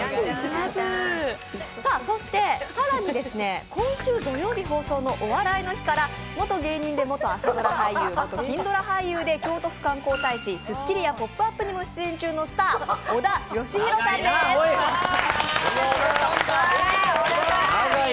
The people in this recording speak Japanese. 更に今週土曜日放送の「お笑いの日」から元芸人で、元朝ドラ俳優、元金ドラ俳優で、京都府観光大使、「スッキリ！！」や「ポップＵＰ！」にも出演中の長いな、おい！